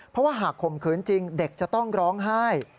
เพราะว่าหากข่มขืนจริงเด็กจะต้องร้องไห้